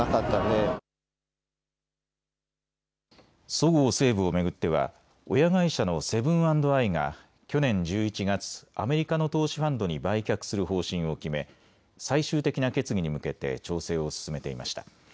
そごう・西武を巡っては親会社のセブン＆アイが去年１１月、アメリカの投資ファンドに売却する方針を決め最終的な決議に向けて調整を進めていました。